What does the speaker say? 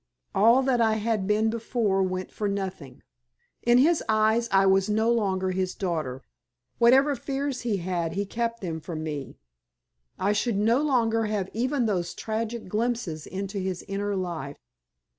All that I had been before went for nothing. In his eyes I was no longer his daughter. Whatever fears he had he kept them from me. I should no longer have even those tragic glimpses into his inner life.